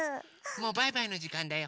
もうバイバイのじかんだよ。